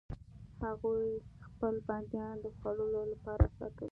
هغوی خپل بندیان د خوړلو لپاره ساتل.